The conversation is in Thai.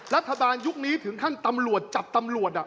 ยุคนี้ถึงขั้นตำรวจจับตำรวจ